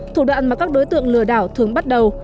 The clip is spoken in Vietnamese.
thủ đoạn mà các đối tượng lừa đảo thường bắt đầu